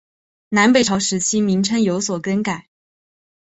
南北朝时期名称有所更改。